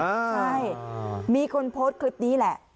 ใช่มีคนโพสต์คลิปนี้แหละ